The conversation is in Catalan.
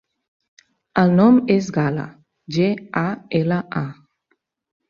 El nom és Gala: ge, a, ela, a.